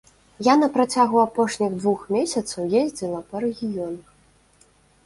Я на працягу апошніх двух месяцаў ездзіла па рэгіёнах.